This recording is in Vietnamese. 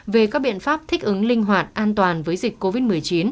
về các biện pháp thích ứng linh hoạt an toàn với dịch covid một mươi chín